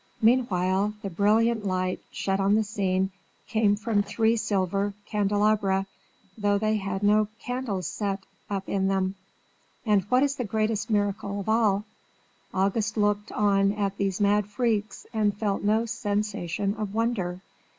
Meanwhile the brilliant light shed on the scene came from three silver candelabra, though they had no candles set up in them; and, what is the greatest miracle of all, August looked on at these mad freaks and felt no sensation of wonder!